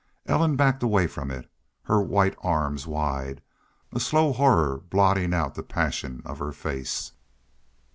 Ellen backed away from it, her white arms wide, a slow horror blotting out the passion of her face.